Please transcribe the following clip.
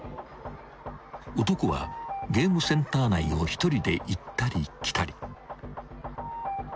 ［男はゲームセンター内を一人で行ったり来たり］